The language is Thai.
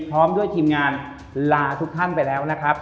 พร้อมด้วยทีมงานลาทุกท่านไปแล้วนะครับ